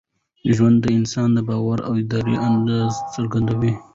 ژوند د انسان د باور او ارادې اندازه څرګندوي.